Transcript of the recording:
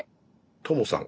トモさん。